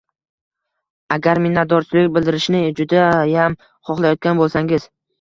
Agar minnatdorchilik bildirishni judayam xohlayotgan boʻlsangiz